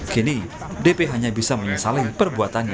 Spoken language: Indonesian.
kini dp hanya bisa menyesali perbuatannya